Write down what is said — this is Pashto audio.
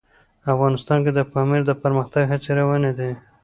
افغانستان کې د پامیر د پرمختګ هڅې روانې دي.